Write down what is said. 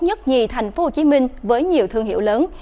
nhất nhì thành phố hồ chí minh với nhiều thương hiệu lớn